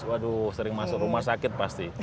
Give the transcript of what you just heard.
waduh sering masuk rumah sakit pasti